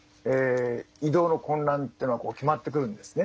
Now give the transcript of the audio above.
移動の困難というのは決まってくるんですね。